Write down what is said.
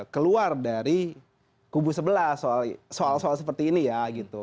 keluar dari kubu sebelah soal soal seperti ini ya gitu